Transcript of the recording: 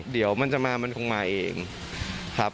เดี๋ยวมันจะมามันคงมาเองครับ